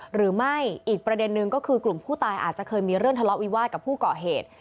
หรือไม่อีกประเด็นนึงก็คือกลุ่มผู้ตายอาจจะเคยมีเรื่องทะเลาะวิวาสกับผู้ก่อเหตุ